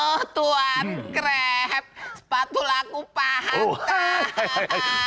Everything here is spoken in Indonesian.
oh tuan kreb sepatulah aku paham